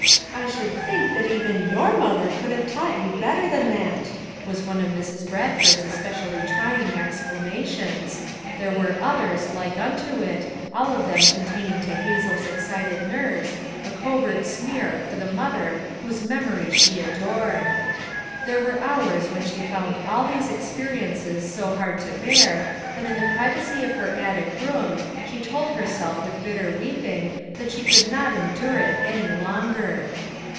"I should think even your mother could have taught you better than that!" was one of Mrs. Bradford's especially trying exclamations — there were others like unto it, all of them con taining to Hazel's excited nerves a covert sneer for the mother whose memory she adored. There were hours when she found all these ex periences so hard to bear that in the privacy of her attic room she told herself with bitter weeping that she could not endure it any longer.